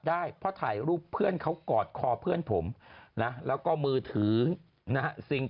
ได้เพราะถ่ายรูปเพื่อนเขากอดคอเพื่อนผมนะแล้วก็มือถือนะฮะ